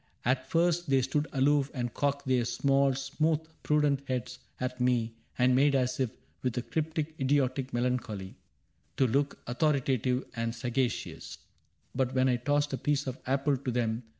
" At first they stood aloof and cocked their small, Smooth, prudent heads at me and made as if. With a cryptic idiotic melancholy, To look authoritative and sagacious ; But when I tossed a piece of apple to them.